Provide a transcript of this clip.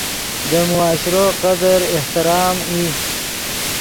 دے معاشرو قدر، احترام ای